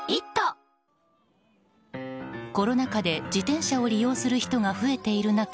コロナ禍で自転車を利用する人が増えている中